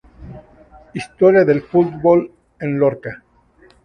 Historia del fútbol en Lorca